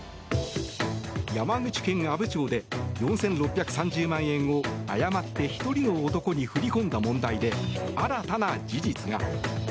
山口県阿武町で４６３０万円を誤って１人の男に振り込んだ問題で新たな事実が。